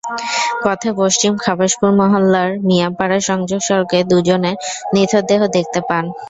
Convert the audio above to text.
পথে পশ্চিম খাবাসপুর মহল্লার মিয়াপাড়া সংযোগ সড়কে দুজনের নিথর দেহ দেখতে পান।